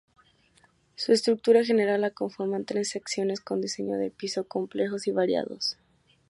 Su estructura general la conforman tres secciones, con diseño de piso complejos y variados.